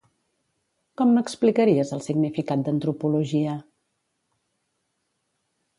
Com m'explicaries el significat d'antropologia?